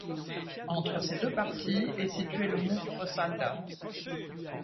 Entre ces deux parties est situé le mont Fossalda.